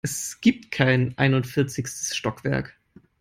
Es gibt kein einundvierzigstes Stockwerk.